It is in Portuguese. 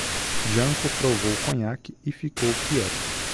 Janko provou conhaque e ficou quieto.